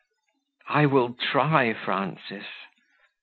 "I will try, Frances."